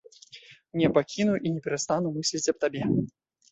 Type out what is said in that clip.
Не пакіну і не перастану мысліць аб табе.